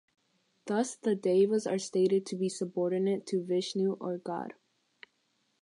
Thus the Devas are stated to be subordinate to Vishnu, or God.